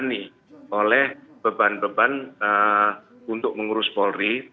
jangan dibebani oleh beban beban untuk mengurus polri